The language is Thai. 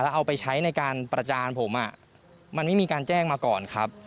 เอาไปใช้ในการประจานผมมันไม่มีการแจ้งมาก่อนครับ